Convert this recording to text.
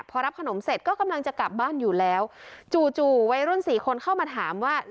พอรับขนมเสร็จก็กำลังจะกลับบ้านอยู่แล้วจู่จู่วัยรุ่นสี่คนเข้ามาถามว่า